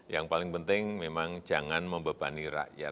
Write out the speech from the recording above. yang paling penting memang jangan membebani rakyat